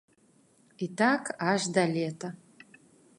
І так аж да лета.